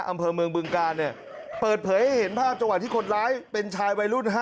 อำเภอเมืองบึงกาลเนี่ยเปิดเผยให้เห็นภาพจังหวะที่คนร้ายเป็นชายวัยรุ่น๕